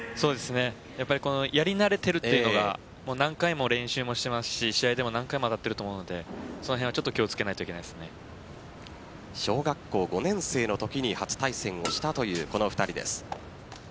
やり慣れているというか何回も練習もしていますし試合でも何回も当たってると思うのでその辺は気を付けなければいけないと小学校５年生のときに初対戦をしたという２人です。